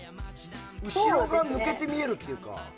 後ろが抜けて見えるというか。